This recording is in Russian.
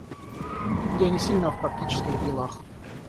Я не сильна в практических делах.